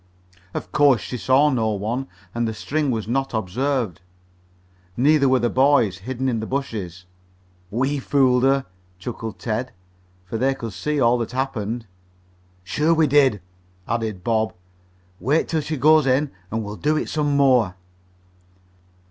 Of course she saw no one, and the string was not observed. Neither were the boys, hidden in the bushes. "We fooled her," chuckled Ted, for they could see all that happened. "Sure we did," added Bob. "Wait till she goes in and we'll do it some more."